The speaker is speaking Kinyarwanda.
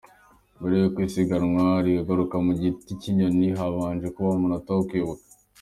Mbere yuko isiganwa rihaguruka ku Giticyinyonyi habanje kubaho umunota wo kwibuka.